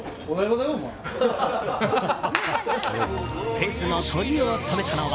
フェスのトリを務めたのは。